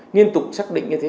nghiên tục xác định như thế